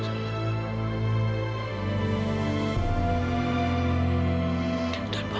dan bapak kangen sama bapak